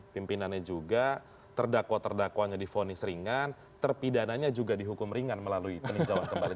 pimpinannya juga terdakwa terdakwanya difonis ringan terpidananya juga dihukum ringan melalui peninjauan kembali